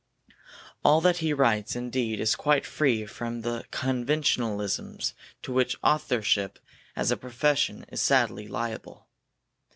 All that he writes indeed is quite free from the conventionalisms to which authorship as a profession is sadly liable.